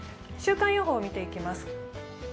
週間予報を見ていきます。